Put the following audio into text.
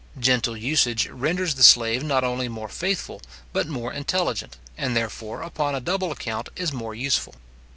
Gentle usage renders the slave not only more faithful, but more intelligent, and, therefore, upon a double account, more useful.